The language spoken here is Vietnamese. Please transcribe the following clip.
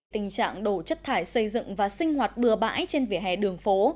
tình trạng đổ chất thải xây dựng và sinh hoạt bừa bãi trên vỉa hè đường phố